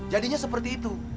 jadinya seperti itu